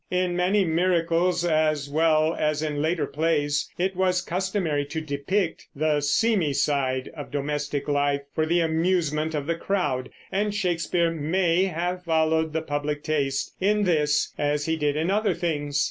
In many Miracles as well as in later plays it was customary to depict the seamy side of domestic life for the amusement of the crowd; and Shakespeare may have followed the public taste in this as he did in other things.